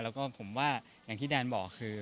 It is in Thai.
แล้วก็ผมว่าอย่างที่แดนบอกคือ